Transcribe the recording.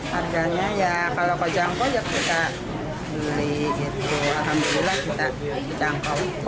harganya ya kalau kejangkau ya kita beli gitu alhamdulillah kita kejangkau